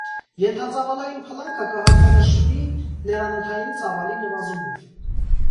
Ենթածաւալային փլանքը կը յատկանշուի ներանօթային ծաւալի նուազումով։